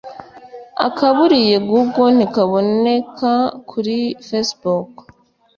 • akaburiye google ntikaboneka kuri facebook